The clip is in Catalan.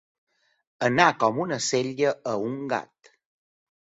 Anar com una sella a un gat.